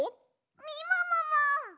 みももも！